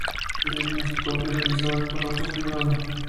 que las copias realizadas para uso privado